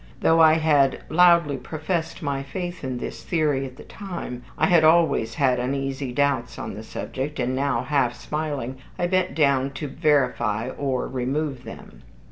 Though I had loudly professed my faith in this theory at the time, I had always had uneasy doubts on the subject, and now half smiling I bent down to verify or remove them.